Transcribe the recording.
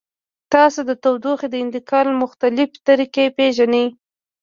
تاسو د تودوخې د انتقال مختلفې طریقې پیژنئ؟